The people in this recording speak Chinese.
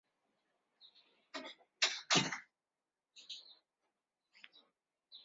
所以防卫和竞争便成为了生活的模式。